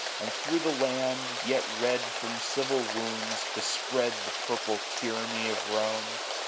And thro* the land, yet red from civil wounds, To spread the purple tyranny of Rome.